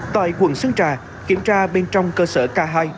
tại quận sơn trà kiểm tra bên trong cơ sở k hai